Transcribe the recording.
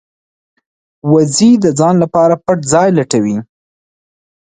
وزې د ځان لپاره پټ ځای لټوي